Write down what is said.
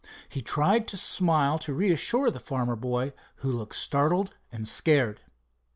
He tried to smile to reassure the farmer boy, who looked startled and scared.